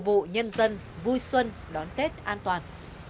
tòa án nhân dân vui xuân đón tết an toàn